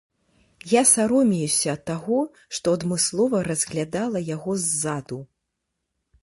Я саромеюся таго, што адмыслова разглядала яго ззаду.